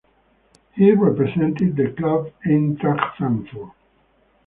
He represented the club Eintracht Frankfurt.